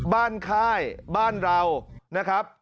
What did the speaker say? บ้านค่ายบ้านเรา